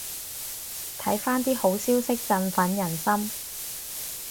睇返啲好消息振奮人心